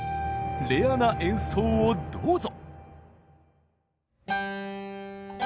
レアな演奏をどうぞ！